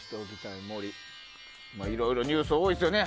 いろいろニュースが多いですね